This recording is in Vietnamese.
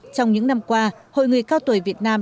trong những năm qua hội người cao tuổi việt nam